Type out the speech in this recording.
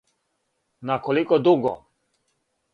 На колико дуго?